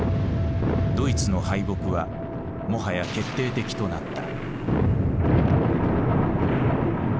ドイツの敗北はもはや決定的となった。